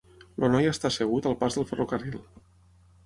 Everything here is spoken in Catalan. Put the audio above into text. El noi està assegut al pas del ferrocarril.